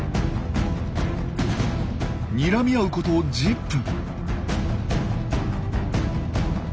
にらみ合うこと１０分。